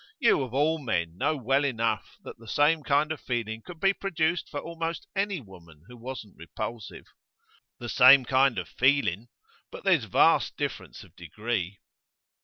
You, of all men, know well enough that the same kind of feeling could be produced for almost any woman who wasn't repulsive.' 'The same kind of feeling; but there's vast difference of degree.